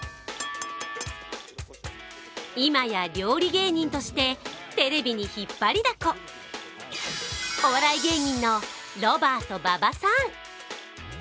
いまや料理芸人としてテレビに引っ張りだこ、お笑い芸人のロバート・馬場さん。